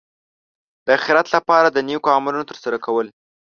د اخرت لپاره د نېکو عملونو ترسره کول.